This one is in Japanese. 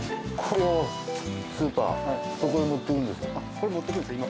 これ持っていくんですね